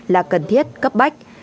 là cần thiết cấp bách